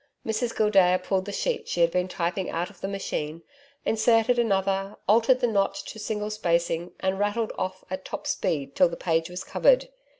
Mrs Gildea pulled the sheet she had been typing out of the machine, inserted another, altered the notch to single spacing and rattled off at top speed till the page was covered.